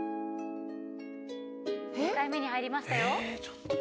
２回目に入りましたよ。